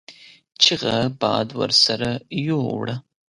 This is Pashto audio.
چيغه باد ورسره يو وړه.